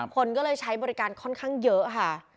คนก็เลยใช้บริการค่อนข้างเยอะค่ะ